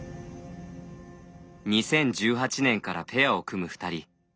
２０１８年からペアを組む２人。